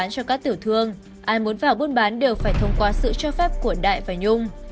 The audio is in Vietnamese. ai muốn vào buôn bán cho các tiểu thương ai muốn vào buôn bán đều phải thông qua sự cho phép của đại và nhung